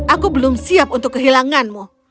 aku belum siap untuk kehilanganmu